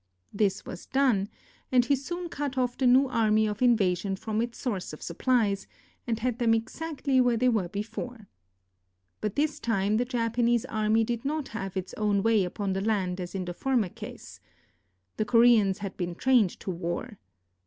This was done, and he soon cut off the new army of invasion from its source of supplies, and had them exactly where they were be fore. But this time the Japanese army did not have its own way upon the land as in the former case. The Ko reans had been trained to war.